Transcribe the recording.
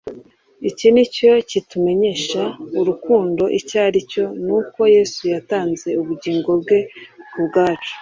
Iki ni cyo kitumenyesha urukundo icyo ari cyo, ni uko Yesu yatanze ubugingo bwe ku bwacu,